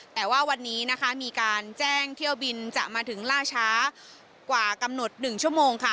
แต่ว่าวันนี้นะคะมีการแจ้งเที่ยวบินจะมาถึงล่าช้ากว่ากำหนด๑ชั่วโมงค่ะ